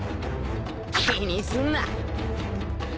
気にすんな！